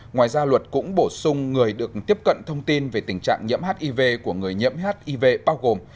ngoài ra luật cũng bổ sung người được tiếp cận thông tin về tình trạng nhiễm hiv của người nhiễm hiv bao gồm